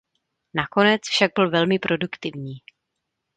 Nakonec však byl velmi produktivní.